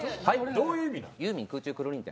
どういう意味なん？